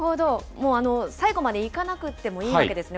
もう最後まで行かなくてもいいわけですね。